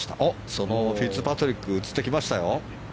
そのフィッツパトリック映ってきましたよ。